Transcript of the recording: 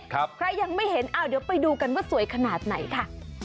ใครยังไม่เห็นอ้าวเดี๋ยวไปดูกันว่าสวยขนาดไหนค่ะ